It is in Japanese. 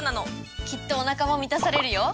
きっとお腹も満たされるよ！